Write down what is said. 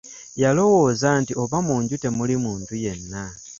Yalowooza nti oba munju temuli muntu yenna.